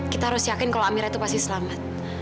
kita harus yakin kalau amira itu pasti selamat